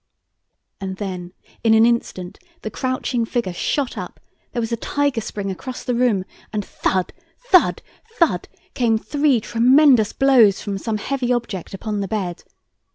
And then, in an instant, the crouching figure shot up, there was a tiger spring across the room and thud, thud, thud, came three tremendous blows from some heavy object upon the bed.